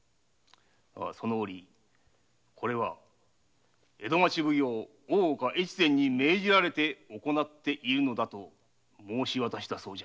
その折「これは大岡越前に命じられて行っている」と申し渡したそうだ。